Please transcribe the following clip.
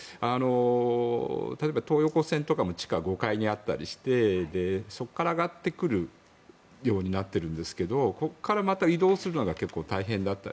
例えば東横線とかも地下５階にあったりしてそこから上がってくるようになっているんですがここからまた移動するのが大変だったり